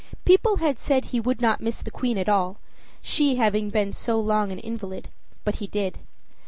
People had said he would not miss the Queen at all, she having been so long an invalid, but he did.